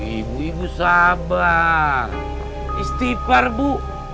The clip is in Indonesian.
ibu ibu sabah istighfar bu